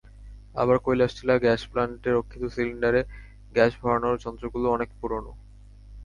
আবার কৈলাসটিলা গ্যাস প্লান্টে রক্ষিত সিলিন্ডারে গ্যাস ভরানোর যন্ত্রগুলো অনেক পুরোনো।